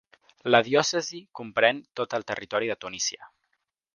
La diòcesi comprèn tot el territori de Tunísia.